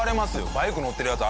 バイク乗ってるヤツ